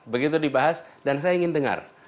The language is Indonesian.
begitu dibahas dan saya ingin dengar